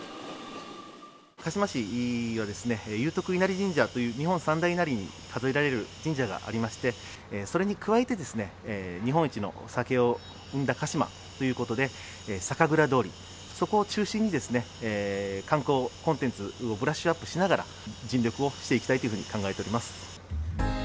鹿島市は祐徳稲荷神社という、日本三大稲荷に数えられる神社がありまして、それに加えて、日本一のお酒を生んだ鹿島ということで、酒蔵通り、そこを中心に観光コンテンツをブラッシュアップしながら、尽力をしていきたいというふうに考えております。